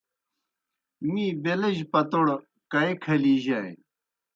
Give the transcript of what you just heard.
می بیلجیْ پتوڑ کائی کھلِیجانیْ۔